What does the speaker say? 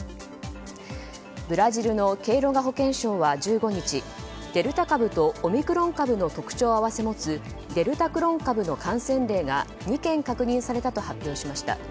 ブラジルのケイロガ保健相は１５日デルタ株とオミクロン株の特徴を併せ持つデルタクロン株の感染例が２件確認されたと発表しました。